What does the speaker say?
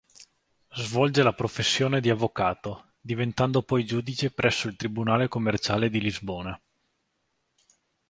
Svolge la professione di avvocato, diventando poi giudice presso il tribunale commerciale di Lisbona.